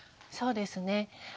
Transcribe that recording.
そうですね。